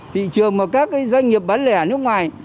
thị trường mà các doanh nghiệp bán lẻ nước ngoài